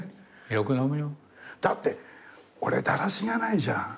だって俺だらしがないじゃん。